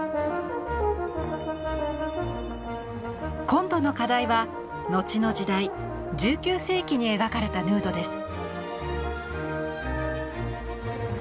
今度の課題は後の時代１９世紀に描かれたヌードです。